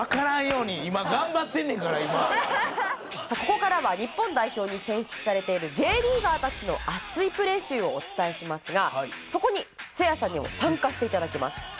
さあここからは日本代表に選出されているＪリーガーたちの熱いプレー集をお伝えしますがそこにせいやさんにも参加して頂きます。